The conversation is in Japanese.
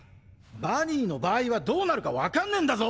バニーの場合はどうなるか分かんねぇんだぞ！